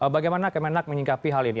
bagaimana kemenak menyingkapi hal ini